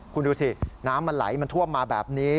คุณดูสิน้ำมันไหลมันท่วมมาแบบนี้